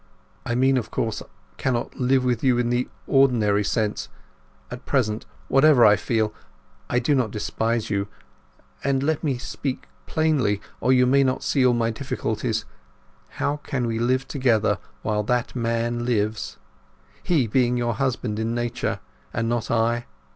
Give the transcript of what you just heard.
I mean, of course, cannot live with you in the ordinary sense. At present, whatever I feel, I do not despise you. And, let me speak plainly, or you may not see all my difficulties. How can we live together while that man lives?—he being your husband in nature, and not I.